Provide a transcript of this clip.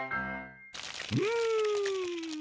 うん。